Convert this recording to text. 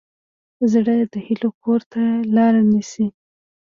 زړه د هیلو کور ته لار نیسي.